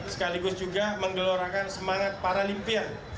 sekaligus juga menggelorakan semangat para limpian